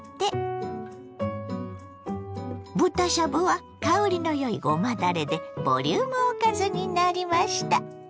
豚しゃぶは香りのよいごまだれでボリュームおかずになりました。